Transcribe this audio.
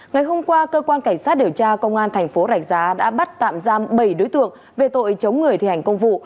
ngày hôm qua cơ quan cảnh sát điều tra công an thành phố rạch giá đã bắt tạm giam bảy đối tượng về tội chống người thi hành công vụ